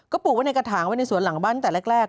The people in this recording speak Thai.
ปลูกไว้ในกระถางไว้ในสวนหลังบ้านตั้งแต่แรก